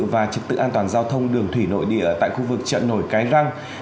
và trực tự an toàn giao thông đường thủy nội địa tại khu vực trợ nổi cái răng